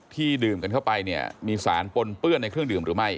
ดื่มกันเข้าไปเนี่ยมีสารปนเปื้อนในเครื่องดื่มหรือไม่